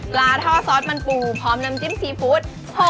ปลาท่อซอสมันปูพร้อมน้ำจิ้มซีฟู้ด